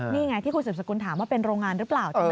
นี่ไงที่คุณสืบสกุลถามว่าเป็นโรงงานหรือเปล่า